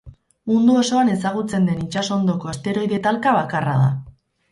Mundu osoan ezagutzen den itsas hondoko asteroide talka bakarra da.